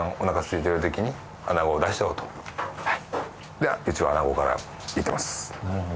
でうちは穴子からいってます